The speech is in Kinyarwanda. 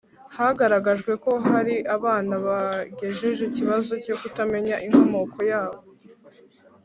Hagaragajwe ko hari abana bagejeje ikibazo cyo kutamenya inkomoko yabo